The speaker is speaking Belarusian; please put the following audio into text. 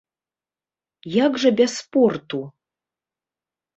Як жа без спорту!